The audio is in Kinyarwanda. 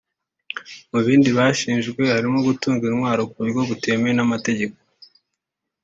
Mu bindi bashinjwe harimo gutunga intwaro ku buryo butemewe n’amategeko